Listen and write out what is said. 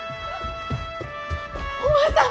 お前さん！